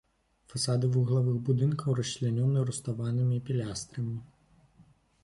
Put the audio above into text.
Фасады вуглавых будынкаў расчлянёны руставанымі пілястрамі.